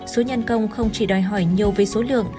số nhân công không chỉ đòi hỏi nhiều về số lượng